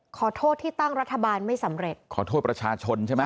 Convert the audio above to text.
ขอโทษที่ตั้งรัฐบาลไม่สำเร็จขอโทษประชาชนใช่ไหม